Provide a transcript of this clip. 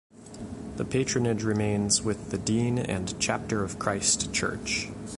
The patronage remains with the Dean and Chapter of Christ Church.